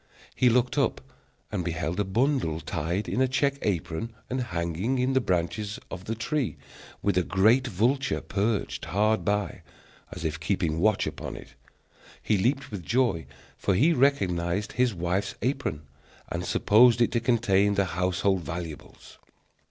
He looked up and beheld a bundle tied in a check apron and hanging in the branches of the tree, with a great vulture perched hard by, as if keeping watch upon it. He leaped with joy, for he recognized his wife's apron, and supposed it to contain the household valuables.